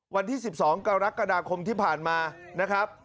วันที่๑๒กรกฎาคมที่ผ่านมานะครับ